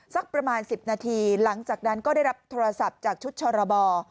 สักประมาณ๑๐นาทีหลังจากนั้นก็ได้รับโทรศัพท์จากชุดชรบ